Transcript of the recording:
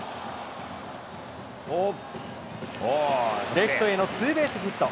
レフトへのツーベースヒット。